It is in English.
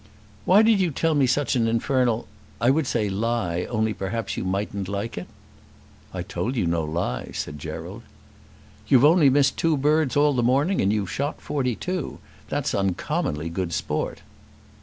"Why did you tell me such an infernal , I would say lie, only perhaps you mightn't like it?" "I told you no lie," said Gerald. "You've only missed two birds all the morning, and you have shot forty two. That's uncommonly good sport."